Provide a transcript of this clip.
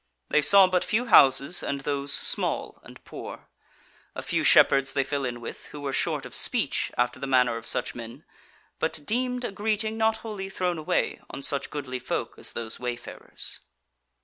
They saw but few houses, and those small and poor. A few shepherds they fell in with, who were short of speech, after the manner of such men, but deemed a greeting not wholly thrown away on such goodly folk as those wayfarers.